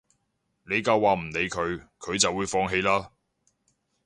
你夠話唔理佢，佢就會放棄啦